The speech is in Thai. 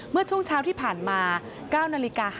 เมื่อช่วงเช้าที่ผ่านมา๙๕๖น